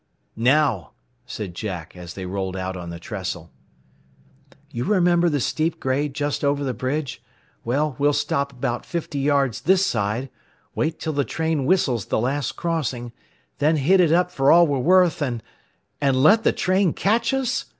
"Now," said Jack, as they rolled out on the trestle. "You remember the steep grade just over the bridge? Well, we'll stop about fifty yards this side, wait till the train whistles the last crossing, then hit it up for all we are worth, and " "And let the train catch us?"